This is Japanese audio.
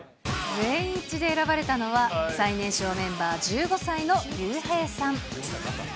全員一致で選ばれたのは、最年少メンバー、１５歳のリューヘイさん。